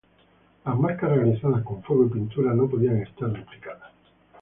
Las marcas realizadas con fuego y pintura no podían estar duplicadas.